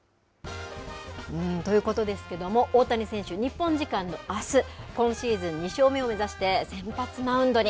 ということですけども、大谷選手、日本時間のあす、今シーズン２勝目を目指して、先発マウンドに。